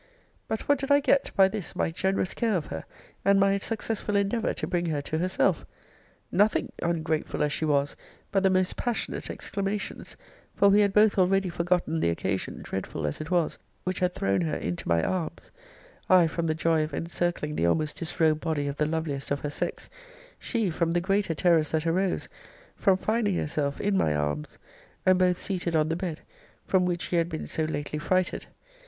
But what did I get by this my generous care of her, and my successful endeavour to bring her to herself? Nothing (ungrateful as she was!) but the most passionate exclamations: for we had both already forgotten the occasion, dreadful as it was, which had thrown her into my arms: I, from the joy of encircling the almost disrobed body of the loveliest of her sex; she, from the greater terrors that arose from finding herself in my arms, and both seated on the bed, from which she had been so lately frighted.